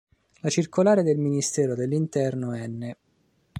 La circolare del Ministero dell'Interno n.